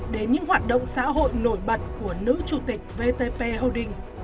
đến những hoạt động xã hội nổi bật của nữ chủ tịch vtp holding